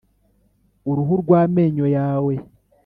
uruhu rw'amenyo yawe.